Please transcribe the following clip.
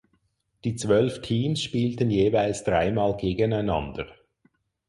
Die zwölf Teams spielten jeweils dreimal gegeneinander.